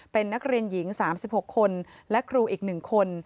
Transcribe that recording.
เป็นนักเรียนหญิง๓๖คนและครูอีก๑คน